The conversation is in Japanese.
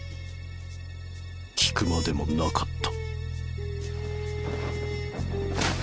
聞くまでもなかった。